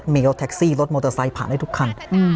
มีรถแท็กซี่รถมอเตอร์ไซค์ผ่านได้ทุกคัน